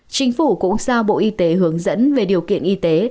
chính phủ cũng giao bộ y tế hướng dẫn về điều kiện y tế